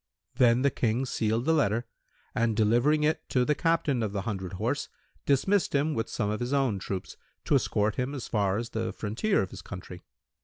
Then the King sealed the letter and delivering it to the Captain of the hundred horse, dismissed him with some of his own troops, to escort him as far as the frontier of his country.